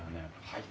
はい。